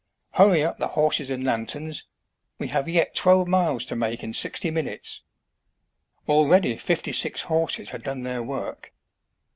"Hurry up the horses and lanterns. We have yet twelve miles to make in sixty minutes." Already fifty six horses had done their work.